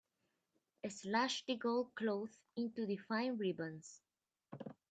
Slash the gold cloth into fine ribbons.